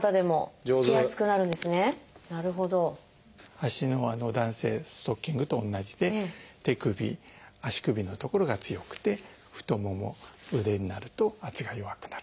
足の弾性ストッキングと同じで手首足首の所が強くて太もも腕になると圧が弱くなる。